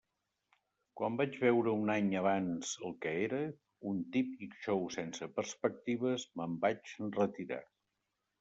Quan vaig veure un any abans el que era, un típic xou sense perspectives, me'n vaig retirar.